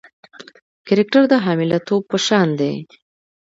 کرکټر د حامله توب په شان دی.